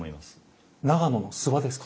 長野の諏訪ですか？